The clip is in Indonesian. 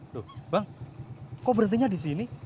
loh bang kok berhentinya di sini